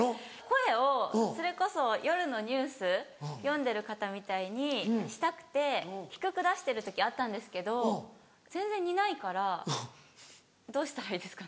声をそれこそ夜のニュース読んでる方みたいにしたくて低く出してる時あったんですけど全然似ないからどうしたらいいですかね？